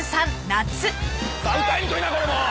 歌いにくいなこれもう！